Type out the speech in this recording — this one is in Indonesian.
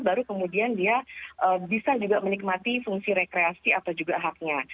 baru kemudian dia bisa juga menikmati fungsi rekreasi atau juga haknya